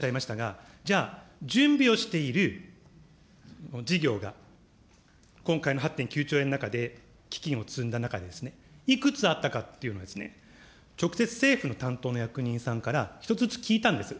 ２つ目には、今、準備とおっしゃいましたが、じゃあ準備をしている事業が今回の８．９兆円の中で、基金を積んだ中でですね、いくつあったかというのをですね、直接、政府の担当の役人さんから一つずつ聞いたんです。